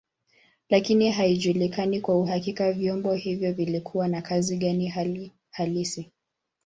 Lakini haijulikani kwa uhakika vyombo hivyo vilikuwa na kazi gani hali halisi.